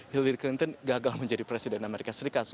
hillary clinton gagal menjadi presiden amerika serikat